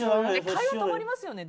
会話止まりますよね